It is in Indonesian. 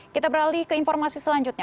kita beralih ke informasi selanjutnya